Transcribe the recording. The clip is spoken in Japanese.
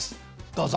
どうぞ。